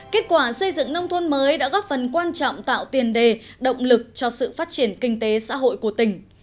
kết quả xây dựng nông thôn mới đã góp phần quan trọng tạo tiền đề động lực cho sự phát triển kinh tế xã hội của tỉnh